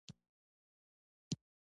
اېډېټ کړ.